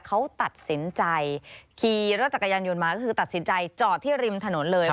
เขาตัดสินใจขี่รถจักรยานยนต์มาก็คือตัดสินใจจอดที่ริมถนนเลย